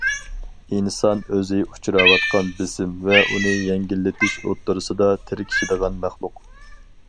ئىنسان ئۆزى ئۇچراۋاتقان بېسىم ۋە ئۇنى يەڭگىللىتىش ئوتتۇرىسىدا تىركىشىدىغان مەخلۇق.